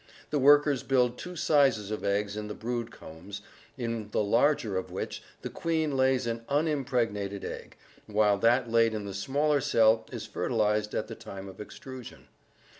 The workers build two sizes of cells in the brood combs, in the larger of which the queen lays an unimpregnated egg, while that laid in the smaller cell is fertilized at the time of extrusion.